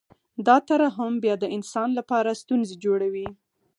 دا ترحم بیا د انسان لپاره ستونزې جوړوي